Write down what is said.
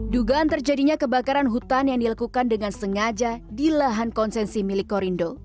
dugaan terjadinya kebakaran hutan yang dilakukan dengan sengaja di lahan konsensi milik korindo